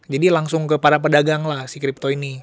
jadi langsung ke para pedagang lah si crypto ini